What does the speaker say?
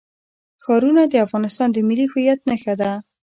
ښارونه د افغانستان د ملي هویت نښه ده.